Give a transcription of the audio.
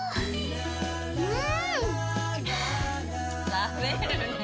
食べるねぇ。